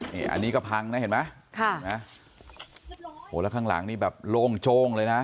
นี่อันนี้ก็พังนะเห็นไหมค่ะนะโหแล้วข้างหลังนี่แบบโล่งโจ้งเลยนะ